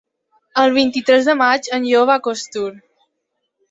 El vint-i-tres de maig en Lleó va a Costur.